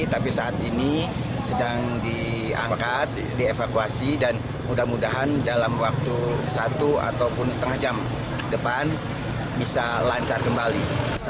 tapi saat ini sedang diangkas dievakuasi dan mudah mudahan dalam waktu satu ataupun setengah jam depan bisa lancar kembali